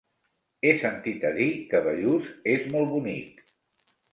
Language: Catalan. He sentit a dir que Bellús és molt bonic.